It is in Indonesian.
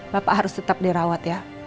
bapak harus tetap dirawat ya